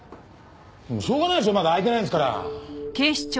しょうがないでしょまだ開いてないんですから。